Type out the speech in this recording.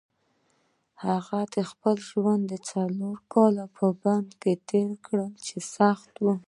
هغه د خپل ژوند څلور کاله په بند کې تېر کړل چې سخت وو.